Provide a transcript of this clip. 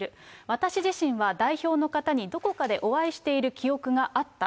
私自身は代表の方にどこかでお会いしている記憶があった。